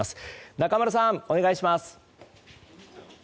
中丸さん、お願いします。